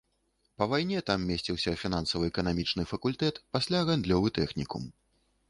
Па вайне там месціўся фінансава-эканамічны факультэт, пасля гандлёвы тэхнікум.